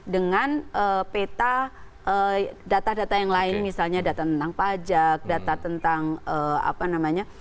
dengan peta data data yang lain misalnya data tentang pajak data tentang apa namanya